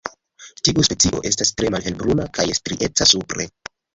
Tiu specio estas tre malhelbruna kaj strieca supre.